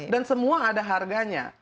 dan semua ada harganya